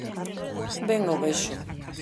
Ben o vexo.